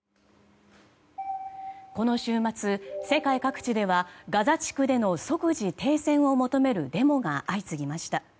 この週末世界各地ではガザ地区での即時停戦を求めるデモが相次ぎました。